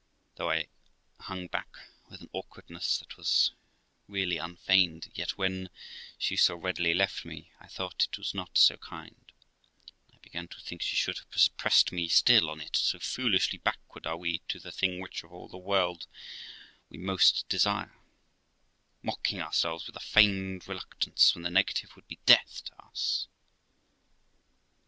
Though I hung back with an awkwardness that was really unfeigned, yet, when she so readily left me, I thought it was not so kind, and I began to think she should have pressed me still on to it; so foolishly backward are we to the thing which, of all the world, we most desire; mocking ourselves with a feigned reluctance, when the negative would be death to us.